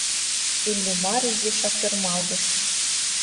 Иллимар изишак ӧрмалгыш...